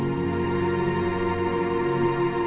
kau mau ngapain